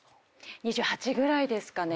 ２８ぐらいですかね。